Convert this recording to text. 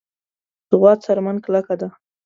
د غوا څرمن کلکه ده.